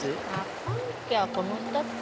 今期はこの２つか。